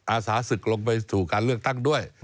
อาสาศึกลงไปสู่การเลือกตั้งด้วย